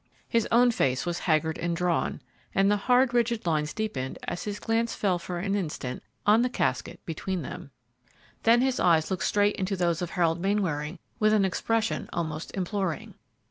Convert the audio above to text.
His own face was haggard and drawn, and the hard, rigid lines deepened as his glance fell for an instant on the casket between them. Then his eyes looked straight into those of Harold Mainwaring with an expression almost imploring.